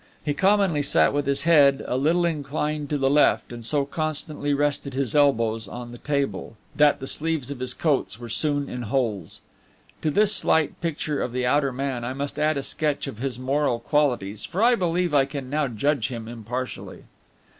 He commonly sat with his head a little inclined to the left, and so constantly rested his elbows on the table, that the sleeves of his coats were soon in holes. To this slight picture of the outer man I must add a sketch of his moral qualities, for I believe I can now judge him impartially.